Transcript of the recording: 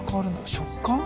食感？